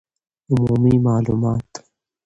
عمومي معلومات